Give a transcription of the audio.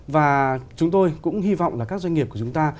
và chúng tôi cũng hy vọng là các doanh nghiệp của chúng ta